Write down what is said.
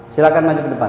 silahkan maju ke depan